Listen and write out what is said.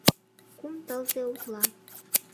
Кум тылзе утла.